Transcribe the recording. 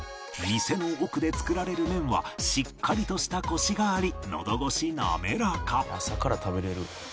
店の奥で作られる麺はしっかりとしたコシがあり喉越し滑らか